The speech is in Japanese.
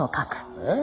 ええ？